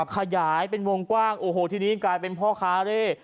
ขยายไปมงกว้างที่นี้กลายเป็นพ่อคาร์เร่